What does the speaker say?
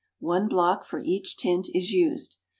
One block for each tint is used.